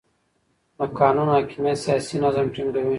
د قانون حاکمیت سیاسي نظم ټینګوي